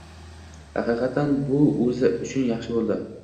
Haqiqatan bu o'zi uchun yaxshi bo'ldi.